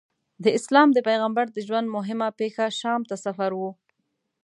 د اسلام د پیغمبر د ژوند موهمه پېښه شام ته سفر و.